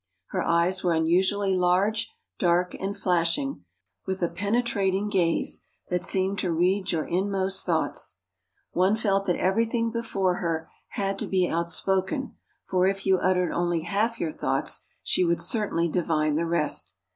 Her eyes were unusually large, dark, and flashing, with a penetrating gaze that seemed to read your inmost thoughts. One felt that everything before her had to be outspoken; for if you uttered only half your thoughts, she would certainly divine the rest....